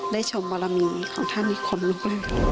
ได้ชมบารมีของท่านคนนึกเลย